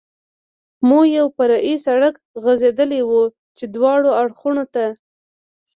مو یو فرعي سړک غځېدلی و، چې دواړو اړخو ته.